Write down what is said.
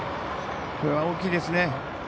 これは大きいですね。